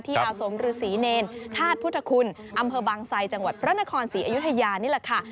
อาสมฤษีเนรธาตุพุทธคุณอำเภอบางไซจังหวัดพระนครศรีอยุธยานี่แหละค่ะ